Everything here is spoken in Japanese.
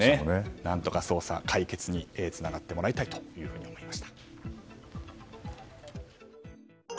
何とか捜査、解決につながってもらいたいと思いました。